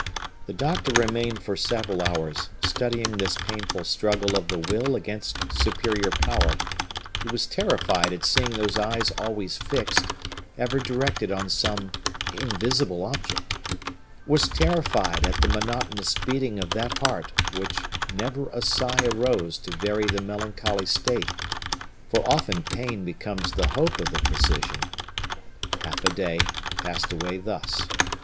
The doctor remained for several hours studying this painful struggle of the will against superior power; he was terrified at seeing those eyes always fixed, ever directed on some invisible object; was terrified at the monotonous beating of that heart from which never a sigh arose to vary the melancholy state; for often pain becomes the hope of the physician. Half a day passed away thus.